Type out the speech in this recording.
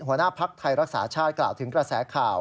หัวหน้าภักดิ์ไทยรักษาชาติกล่าวถึงกระแสข่าว